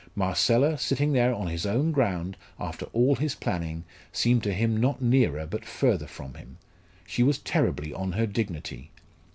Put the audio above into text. Marcella, sitting there on his own ground, after all his planning, seemed to him not nearer, but further from him. She was terribly on her dignity!